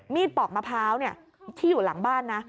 ปอกมะพร้าวที่อยู่หลังบ้านนะ